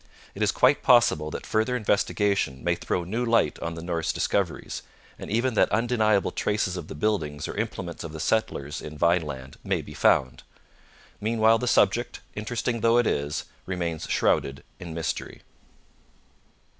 It is quite possible that further investigation may throw new light on the Norse discoveries, and even that undeniable traces of the buildings or implements of the settlers in Vineland may be found. Meanwhile the subject, interesting though it is, remains shrouded in mystery.